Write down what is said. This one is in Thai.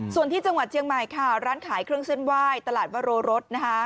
ส่วนจังหวัดเชียงใหม่ร้านขายเครื่องเส้นว่ายตลาดมนตร์โรวรถ